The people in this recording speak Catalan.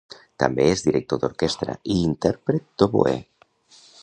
També és director d'orquestra i intèrpret d'oboè.